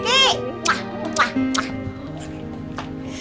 muah muah muah